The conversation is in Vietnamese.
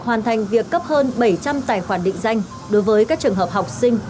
hoàn thành việc cấp hơn bảy trăm linh tài khoản định danh đối với các trường hợp học sinh